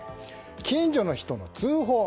近所の人の通報。